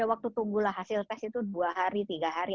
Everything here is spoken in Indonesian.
waktu tunggulah hasil tes itu dua hari tiga hari